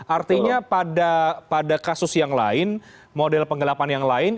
artinya pada kasus yang lain model penggelapan yang lain